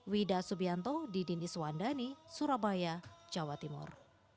wida subianto didi niswandani surabaya jawa timur